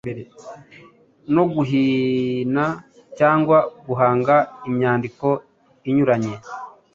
no guhina cyangwa guhanga imyandiko inyuranye.